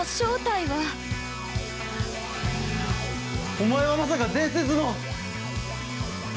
◆お前はまさか伝説の◆